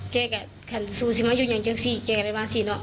แก้กับขันสู้สิมะอยู่อย่างเจ้าสิแก้กับอะไรฟังสิเนอะ